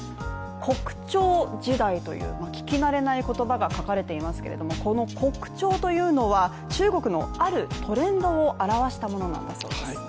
「国潮時代」という聞き慣れない言葉が書かれていますけれども、この国潮というのは中国のあるトレンドを表したものなんだそうです。